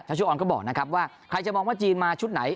ชุออนก็บอกนะครับว่าใครจะมองว่าจีนมาชุดไหน